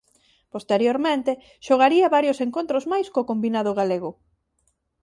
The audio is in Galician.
Posteriormente xogaría varios encontros máis co combinado galego.